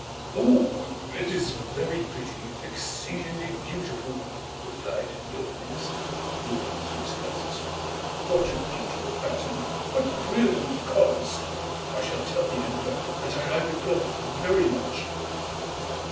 "Oh, it is very pretty, exceedingly beautiful," replied the old minister looking through his glasses. "What a beautiful pattern, what brilliant colours! I shall tell the emperor that I like the cloth very much."